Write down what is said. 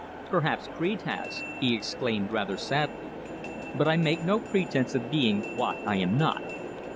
"Perhaps creed has," he exclaimed rather sadly. "But I make no pretence of being what I am not.